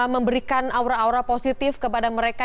memberikan aura aura positif kepada mereka